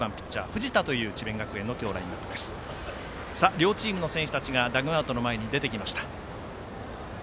両チームの選手たちがダグアウトの前に出てきました。